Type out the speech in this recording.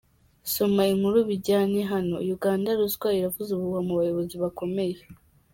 Soma inkuru bijyanye hano: Uganda: ruswa iravuza ubuhuha mu bayobozi bakomeye